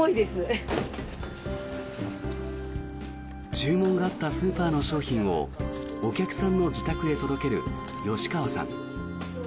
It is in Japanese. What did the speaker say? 注文があったスーパーの商品をお客さんの自宅へ届ける吉川さん。